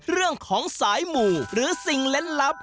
เรื่องของสายหมู่หรือสิ่งเล่นลับ